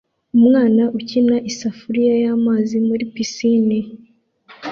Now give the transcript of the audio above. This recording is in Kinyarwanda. Umwana ukina isafuriya y'amazi muri pisine